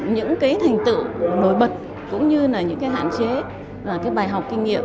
những cái thành tựu nổi bật cũng như là những cái hạn chế và cái bài học kinh nghiệm